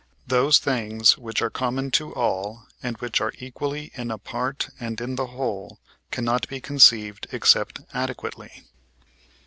Those things, which are common to all, and which are equally in a part and in the whole, cannot be conceived except adequately.